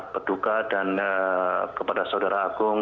berduka dan kepada saudara agung